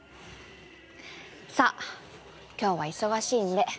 さっ今日は忙しいんで。